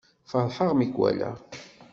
Feṛḥeɣ mi k-wallaɣ